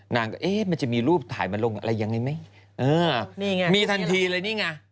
นางก็เอ๊ะมันจะมีรูปถ่ายมาลงอะไรยังไงไหมเออนี่ไงมีทันทีเลยนี่ไง